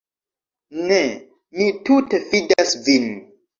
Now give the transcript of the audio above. Ne, mi tute fidas vin.